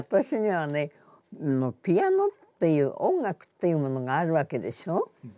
私にはねピアノっていう音楽っていうものがあるわけでしょう。